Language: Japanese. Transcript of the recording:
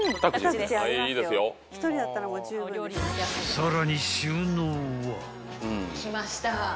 ［さらに］